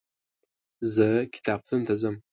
زه کتابتون ته ځم.